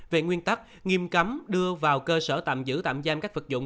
về nguyên tắc nghiêm cấm đưa vào cơ sở tạm giữ tạm giam các vật dụng